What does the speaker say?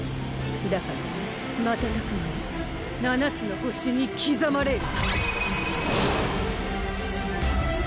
だから瞬く間に七つの星に刻まれよ！